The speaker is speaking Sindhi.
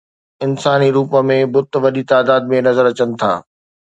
انساني روپ ۾ بت وڏي تعداد ۾ نظر اچن ٿا